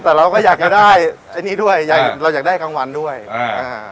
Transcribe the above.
แต่เราก็อยากจะได้ไอ้นี่ด้วยอยากเราอยากได้กลางวันด้วยอ่าอ่า